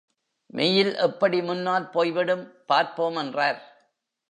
Mail எப்படி முன்னால் போய்விடும் பார்ப்போம் என்றார்.